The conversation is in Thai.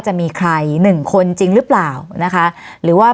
วันนี้แม่ช่วยเงินมากกว่า